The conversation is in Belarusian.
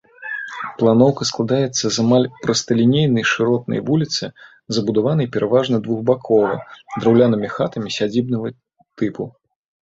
Планоўка складаецца з амаль прасталінейнай шыротнай вуліцы, забудаванай пераважна двухбакова, драўлянымі хатамі сядзібнага тыпу.